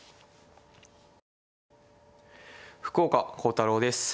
福岡航太朗です。